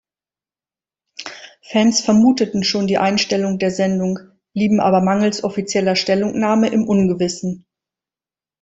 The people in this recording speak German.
Fans vermuteten schon die Einstellung der Sendung, blieben aber mangels offizieller Stellungnahme im Ungewissen.